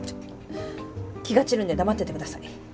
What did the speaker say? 気が散るんで黙っててください